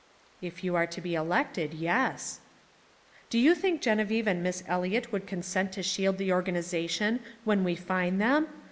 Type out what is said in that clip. "If you are to be elected yes!" "Do you think Geneviève and Miss Eliot would consent to shield the organization when we find them?